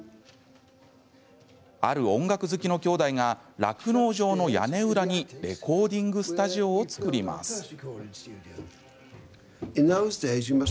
ある音楽好きの兄弟が酪農場の屋根裏にレコーディングスタジオを作ります。